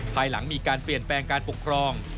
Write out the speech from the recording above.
ภายหลังมีการเปลี่ยนแปลงการปกครอง